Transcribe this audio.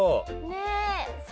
ねえ。